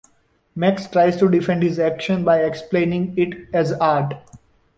Max tries to defend his action by explaining it as art.